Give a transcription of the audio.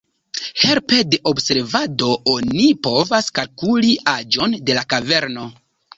Helpe de observado oni povas kalkuli aĝon de la kaverno.